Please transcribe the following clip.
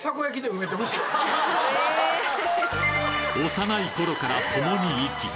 幼い頃から共に生き